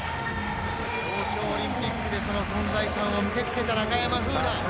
東京オリンピックでその存在感を見せ付けた中山楓奈。